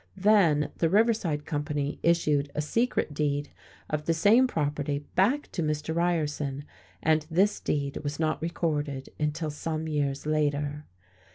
Then the Riverside Company issued a secret deed of the same property back to Mr. Ryerson, and this deed was not recorded until some years later.